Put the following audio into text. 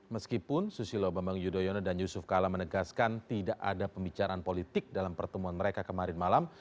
meskipun susilo bambang yudhoyono dan yusuf kala menegaskan tidak ada pembicaraan politik dalam pertemuan mereka kemarin malam